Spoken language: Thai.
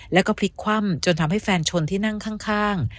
แล้วก็พลิกคว่ำจนทำให้แฟนชนที่นั่งข้าง